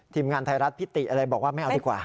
ทีมงานไทยรัฐพิติอะไรบอกว่าไม่เอาดีกว่า